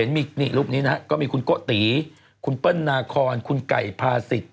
เห็นมีรูปนี้นะครับก็มีคุณโกะตีคุณเปิ้ลนาคอนคุณไก่พาสิทธิ์